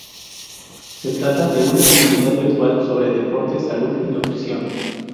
Se trata de una comunidad virtual sobre deporte, salud y nutrición.